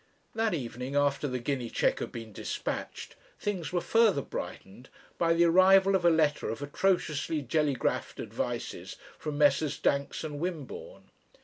That evening after the guinea cheque had been despatched, things were further brightened by the arrival of a letter of atrociously jellygraphed advices from Messrs. Danks and Wimborne.